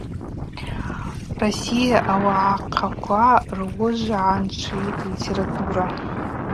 Россия ауагӏахъаква руыжвгӏанчӏви литература.